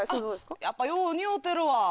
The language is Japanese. やっぱよう似合うてるわ。